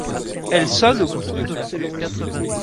Elle sonne au bouton de la porte.